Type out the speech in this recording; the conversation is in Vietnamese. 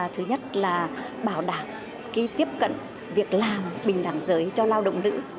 thứ nhất là bảo đảm tiếp cận việc làm bình đẳng giới cho lao động nữ